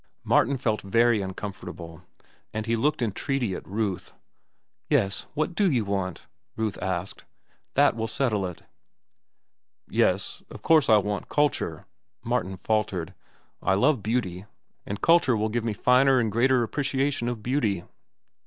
Martin felt very uncomfortable, and looked entreaty at Ruth. "Yes, what do you want?" Ruth asked. "That will settle it." "Yes, of course, I want culture," Martin faltered. "I love beauty, and culture will give me a finer and keener appreciation of beauty."